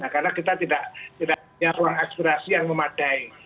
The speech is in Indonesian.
karena kita tidak punya ruang eksplorasi yang memadai